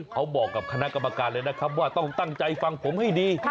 เขาบอกกับคณะกรรมการเลยนะครับว่าต้องตั้งใจฟังผมให้ดี